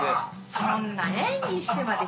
そんな演技してまで